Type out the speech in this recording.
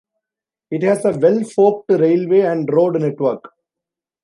It has a well-forked railway and road network.